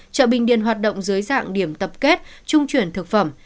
chợ bình điền hoạt động dưới dạng điểm tập kết trung chuyển thực phẩm